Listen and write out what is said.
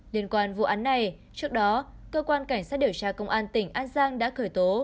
liên quan vụ án này trước đó cơ quan cảnh sát điều tra công an tỉnh an giang đã khởi tố